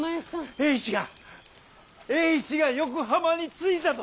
栄一が栄一が横浜に着いたと！